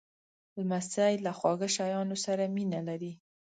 لمسی له خواږه شیانو سره مینه لري.